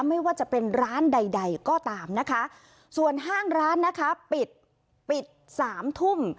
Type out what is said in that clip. ไม่ว่าจะเป็นร้านใดใดก็ตามนะคะส่วนห้างร้านนะคะปิดปิดสามทุ่ม